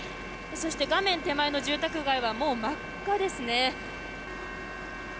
そして、画面手前の住宅街はもう真っ赤ですね。